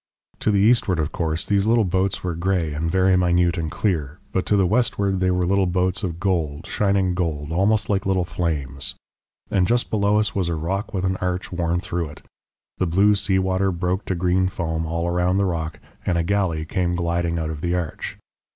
"To the eastward, of course, these little boats were grey and very minute and clear, but to the westward they were little boats of gold shining gold almost like little flames. And just below us was a rock with an arch worn through it. The blue sea water broke to green and foam all round the rock, and a galley came gliding out of the arch."